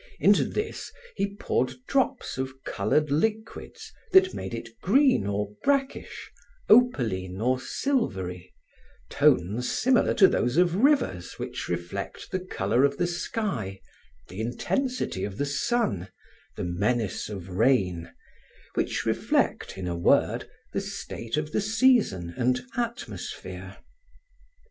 Into this, he poured drops of colored liquids that made it green or brackish, opaline or silvery tones similar to those of rivers which reflect the color of the sky, the intensity of the sun, the menace of rain which reflect, in a word, the state of the season and atmosphere.